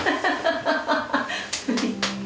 ハハハハッ。